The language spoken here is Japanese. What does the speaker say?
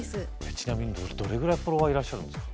ちなみにどれぐらいフォロワーいらっしゃるんですか？